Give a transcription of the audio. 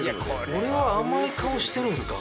俺は甘い顔してるんですか。